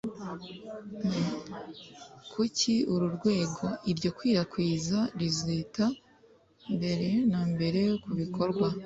kuri uru rwego, iryo kwirakwiza rizita mbere na mbere ku bikorwa